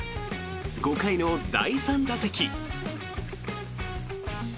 ５回の第３打席。